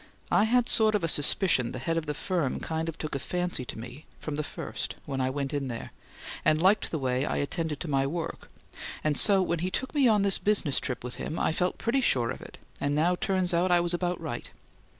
I had sort of a suspicion the head of the firm kind of took a fancy to me from the first when I went in there, and liked the way I attended to my work and so when he took me on this business trip with him I felt pretty sure of it and now it turns out I was about right.